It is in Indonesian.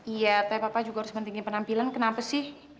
iya tapi papa juga harus pentingin penampilan kenapa sih